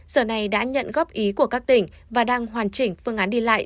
sở này đã nhận góp ý của các tỉnh và đang hoàn chỉnh phương án đi lại